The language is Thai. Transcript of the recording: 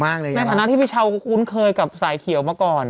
บ๊วยในคณะที่พี่เชาะพวกคุณเคยกับสายเขียวมาก่อน